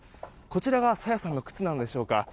こちらが朝芽さんの靴なんでしょうか。